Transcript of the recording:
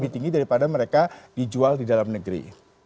lebih tinggi daripada mereka dijual di dalam negeri